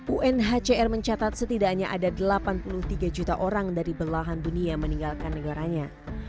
unhcr mencatat setidaknya ada delapan puluh tiga juta orang dari belahan dunia meninggalkan negaranya